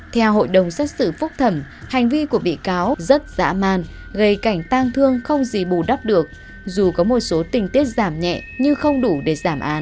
theo hội đồng xét xử phúc thẩm hành vi của bị cáo rất dã man gây cảnh tang thương không gì bù đắp được dù có một số tình tiết giảm nhẹ nhưng không đủ để giảm án